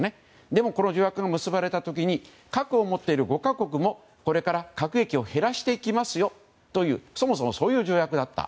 でも、この条約が結ばれた時に核を持っている５か国もこれから核兵器を減らしていくという条約だった。